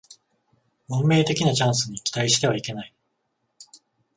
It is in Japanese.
運命的なチャンスに期待してはいけない